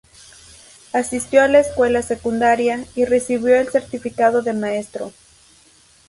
Asistió a la escuela secundaria, y recibió el certificado de maestro.